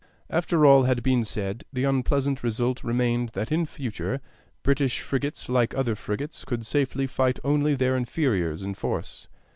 After all had been said, the unpleasant result remained that in future, British frigates, like other frigates, could safely fight only their inferiors in force.